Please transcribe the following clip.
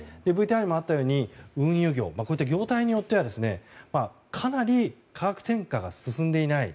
ＶＴＲにもあったとおり運輸業、業態によってはかなり価格転嫁が進んでいない。